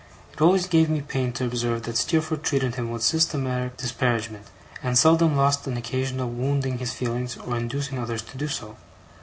It always gave me pain to observe that Steerforth treated him with systematic disparagement, and seldom lost an occasion of wounding his feelings, or inducing others to do so.